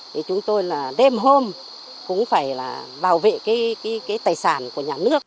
thì chúng tôi là đêm hôm cũng phải là bảo vệ cái tài sản của nhà nước